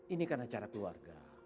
ini karena cara keluarga